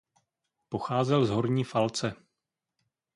Pocházel z Horní Falce.